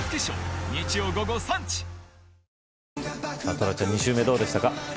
トラちゃん２週目どうでした。